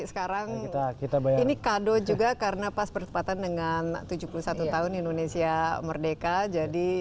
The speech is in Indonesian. sekarang ini kado juga karena pas bertepatan dengan tujuh puluh satu tahun indonesia merdeka jadi